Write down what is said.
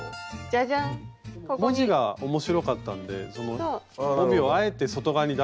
文字が面白かったんでその帯をあえて外側に出してるっていう。